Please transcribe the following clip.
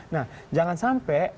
nah jangan sampai